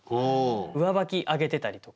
上履きあげてたりとか。